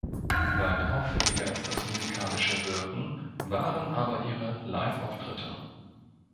Weit auffälliger als das musikalische Wirken waren aber ihre Liveauftritte.